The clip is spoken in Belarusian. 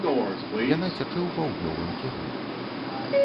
Яна цячэ ў паўднёвым кірунку.